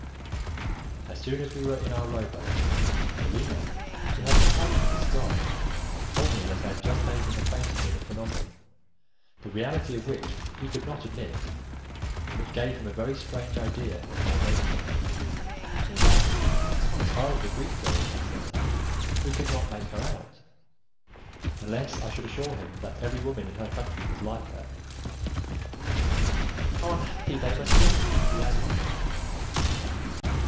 As soon as we were in our row boat, Bellino, who had recovered from his fright, told me that I had just made him acquainted with a phenomenon, the reality of which he could not admit, and which gave him a very strange idea of my nature; that, as far as the Greek girl was concerned, he could not make her out, unless I should assure him that every woman in her country was like her. "How unhappy they must be!" he added.